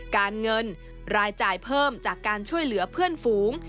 การเงินรายจ่ายเพิ่มจากการช่วยเหลือเพื่อนฝูง